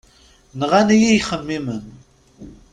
Nɣan-iyi yixemmimen.